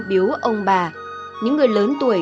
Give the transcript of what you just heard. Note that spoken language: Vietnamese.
biếu ông bà những người lớn tuổi